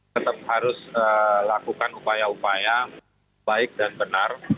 tetap harus lakukan upaya upaya baik dan benar